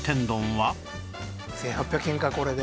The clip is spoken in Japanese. １８００円かこれで。